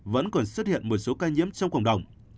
vẫn còn xuất hiện một số ca nhiễm trong cộng đồng